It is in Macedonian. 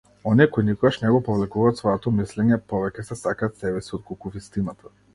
Оние кои никогаш не го повлекуваат своето мислење, повеќе се сакаат себеси отколку вистината.